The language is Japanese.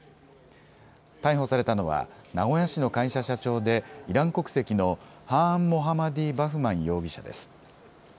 逮捕されたのは名古屋市の会社社長でイラン国籍のハーン・モハマディ・バフマン容疑者です。